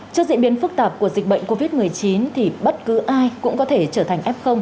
trước diễn biến phức tạp của dịch bệnh covid một mươi chín thì bất cứ ai cũng có thể trở thành f